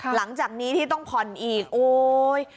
หลังจากนี้ที่ต้องผ่อนอีกโอ๊ย